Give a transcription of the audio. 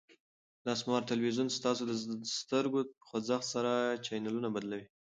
دا سمارټ تلویزیون ستاسو د سترګو په خوځښت سره چینلونه بدلوي.